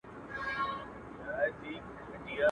خلاصه خوله کي دوه غاښونه ځلېدلي.